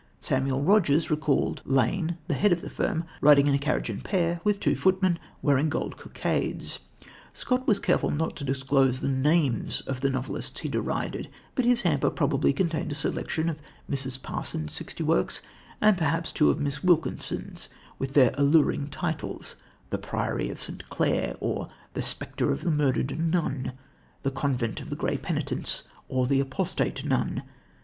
Samuel Rogers recalled Lane, the head of the firm, riding in a carriage and pair with two footmen, wearing gold cockades. Scott was careful not to disclose the names of the novelists he derided, but his hamper probably contained a selection of Mrs. Parsons' sixty works, and perhaps two of Miss Wilkinson's, with their alluring titles, The Priory of St. Clair, or The Spectre of the Murdered Nun; The Convent of the Grey Penitents, or The Apostate Nun.